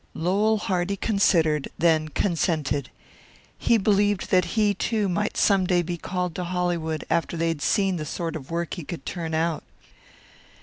Lowell Hardy considered, then consented. He believed that he, too, might some day be called to Hollywood after they had seen the sort of work he could turn out.